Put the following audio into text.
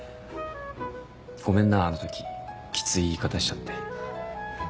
ごめんなあの時きつい言い方しちゃって。